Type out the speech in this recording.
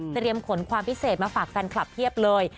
ขนความพิเศษมาฝากแฟนคลับเพียบเลย